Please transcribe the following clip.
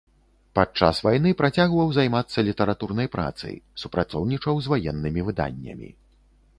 Падчас вайны працягваў займацца літаратурнай працай, супрацоўнічаў з ваеннымі выданнямі.